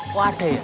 kok ada ya